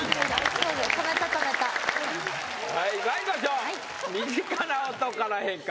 そうはいまいりましょうはい身近な音から変化！